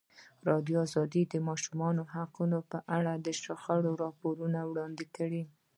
ازادي راډیو د د ماشومانو حقونه په اړه د شخړو راپورونه وړاندې کړي.